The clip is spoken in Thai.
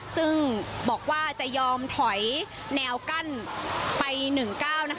ซึ่งบอกว่าจะยอมถอยแนวกั้นไป๑๙